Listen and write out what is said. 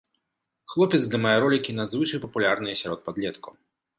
Хлопец здымае ролікі, надзвычай папулярныя сярод падлеткаў.